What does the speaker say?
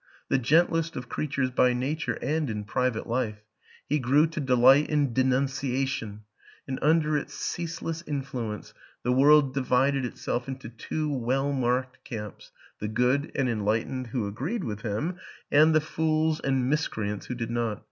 The gentlest of creatures by nature and in private life, he grew to delight in denunciation, and under its ceaseless influence the world divided itself into two well marked camps: the good and enlightened who agreed with him, and the fools and miscreants who did not.